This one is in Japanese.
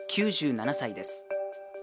９７歳です。